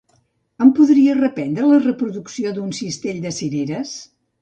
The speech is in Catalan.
Em podries reprendre la reproducció d'"Un cistell de cireres"?